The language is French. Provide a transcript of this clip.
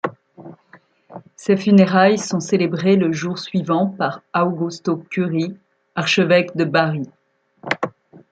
Ses funérailles sont célébrées le jour suivant par Augusto Curi, archevêque de Bari.